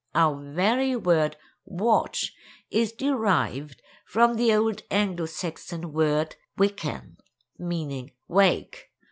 Our very word "watch" is derived from the old Anglo Saxon word "waeccan," meaning "wake."